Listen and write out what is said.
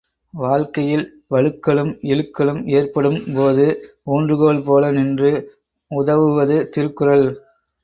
வாழ்க்கையில் வழுக்கலும், இழுக்கலும் ஏற்படும்போது ஊன்றுகோல் போல நின்று உதவுவது திருக்குறள்.